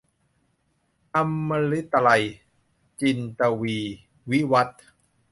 อมฤตาลัย - จินตวีร์ วิวัธน์